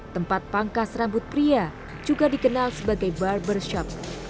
tempat pangkas rambut pria juga dikenal sebagai barbershop